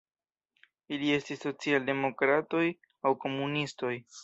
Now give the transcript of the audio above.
Ili estis socialdemokratoj aŭ komunistoj.